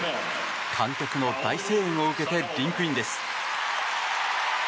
観客の大声援を受けてリンクインです。